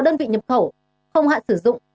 đơn vị nhập khẩu không hạn sử dụng